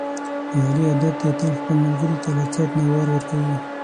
د علي عادت دی، تل خپل ملګري ته له څټ نه وار ورکوي.